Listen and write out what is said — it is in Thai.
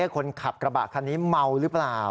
คนขับกระบะคันนี้เมาหรือเปล่า